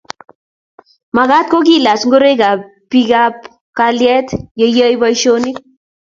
mekat kokiilach ngoraikwak biikab kalyet ya yoe boisionik.